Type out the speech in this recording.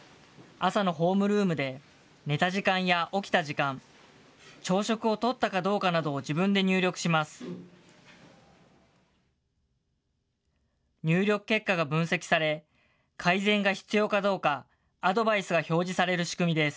朝のホームルームで、寝た時間や起きた時間、朝食をとったかどうかなどを自分で入力します。